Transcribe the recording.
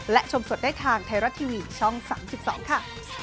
และชมสดได้ทางไทยรัฐทีวีช่อง๓๒ค่ะ